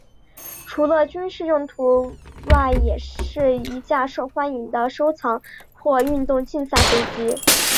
除了军事用途外也是一架受欢迎的收藏或运动竞赛飞机。